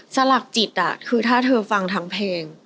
สลักจิตคือถ้าเธอฟังทั้งเพลง